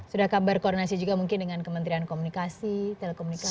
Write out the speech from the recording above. sudah kabar koordinasi juga mungkin dengan kementerian komunikasi telekomunikasi